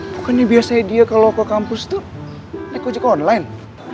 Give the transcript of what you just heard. bukannya biasanya dia kalau ke kampus itu naik ojek online